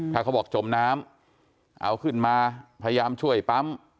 ถ้าเขาบอกจมน้ำเอาขึ้นมาพยายามช่วยปั๊ม